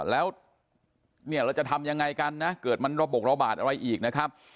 แล้วเนี่ยเราจะทำยังไงกันนะเกิดมันระบบระบาดอะไรอีกนะครับ